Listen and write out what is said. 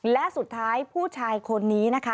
และสุดท้ายผู้ชายคนนี้นะคะ